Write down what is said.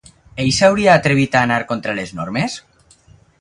Ell s'hauria atrevit a anar contra les normes?